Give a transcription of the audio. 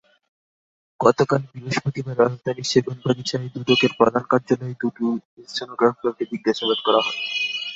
গতকাল বৃহস্পতিবার রাজধানীর সেগুনবাগিচায় দুদকের প্রধান কার্যালয়ে দুই স্টেনোগ্রাফারকে জিজ্ঞাসাবাদ করা হয়।